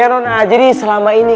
ya nona jadi selama ini